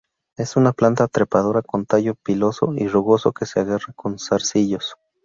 Es una planta trepadora con tallo piloso y rugoso que se agarra con zarcillos.